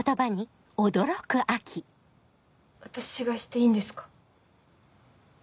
私がしていいんですか？